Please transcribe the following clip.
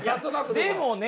でもね！